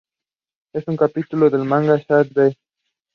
They are pale green in color with red and purplish clothing.